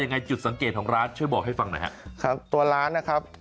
ข้างบัวแห่งสันยินดีต้อนรับทุกท่านนะครับ